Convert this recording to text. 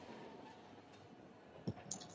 ما لاهم د دې کیپیسټرونو معاینه نه ده کړې